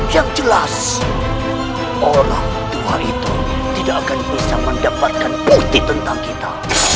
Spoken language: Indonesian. yang jelas orang tua itu tidak akan bisa mendapatkan bukti tentang kita